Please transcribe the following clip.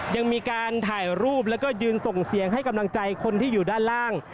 ยังมีการถ่ายรูปแล้วก็ยืนส่งเสียงให้กำลังใจคนที่อยู่ด้านล่าง